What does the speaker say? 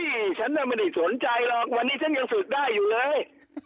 ฉันน่ะไม่ได้สนใจหรอกวันนี้ฉันยังฝึกได้อยู่เลย